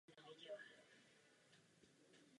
Alexandr Beer přijal práci v textilní továrně u Moskvy.